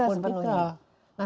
hak kita sepenuhnya